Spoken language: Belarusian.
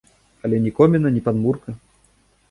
Але ні коміна, ні падмурка.